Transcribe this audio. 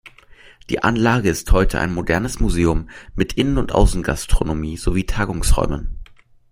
Die Anlage ist heute ein modernes Museum mit Innen- und Außengastronomie sowie Tagungsräumen.